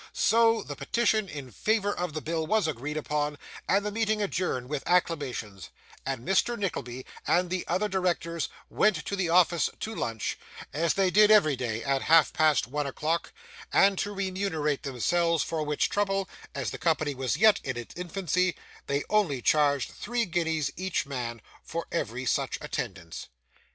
So, the petition in favour of the bill was agreed upon, and the meeting adjourned with acclamations, and Mr. Nickleby and the other directors went to the office to lunch, as they did every day at half past one o'clock; and to remunerate themselves for which trouble, (as the company was yet in its infancy,) they only charged three guineas each man for every such attendance.